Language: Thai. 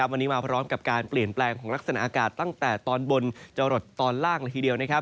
วันนี้มาพร้อมกับการเปลี่ยนแปลงของลักษณะอากาศตั้งแต่ตอนบนจะหลดตอนล่างละทีเดียว